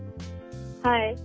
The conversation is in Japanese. はい。